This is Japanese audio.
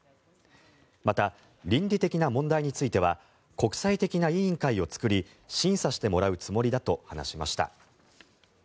また、倫理的な問題については国際的な委員会を作り審査してもらうつもりだと話しました。